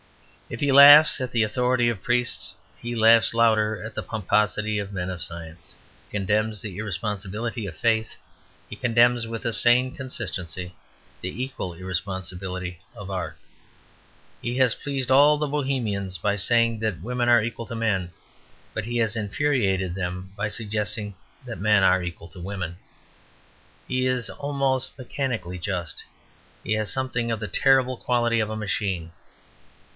If he laughs at the authority of priests, he laughs louder at the pomposity of men of science. If he condemns the irresponsibility of faith, he condemns with a sane consistency the equal irresponsibility of art. He has pleased all the bohemians by saying that women are equal to men; but he has infuriated them by suggesting that men are equal to women. He is almost mechanically just; he has something of the terrible quality of a machine.